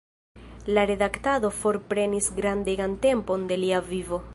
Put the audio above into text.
La redaktado forprenis grandegan tempon de lia vivo.